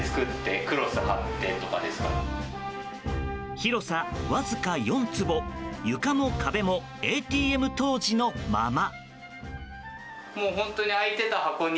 広さ、わずか４坪床も壁もＡＴＭ当時のまま。